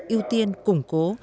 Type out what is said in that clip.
ưu tiên củng cố